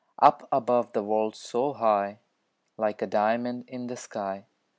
Up above the world so high, Like a diamond in the sky.